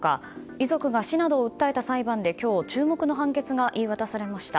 遺族が市などを訴えた裁判で今日、注目の判決が言い渡されました。